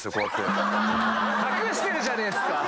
隠してるじゃねえっすか！